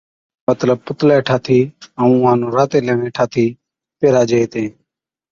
مطلب پُتلَي ٺاهٿِي ائُون اُونھان نُون راتين ليويين ٺاٿِي پِھِراجي ھِتين